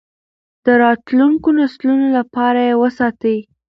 د راتلونکو نسلونو لپاره یې وساتئ.